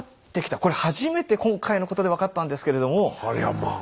これ初めて今回のことで分かったんですけれども。